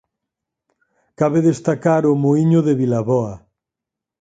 Cabe destacar o Muíño de Vilaboa.